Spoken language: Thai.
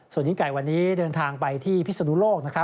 ส่วนหญิงไก่วันนี้เดินทางไปที่พิษณุโลก